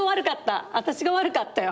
私が悪かったよ。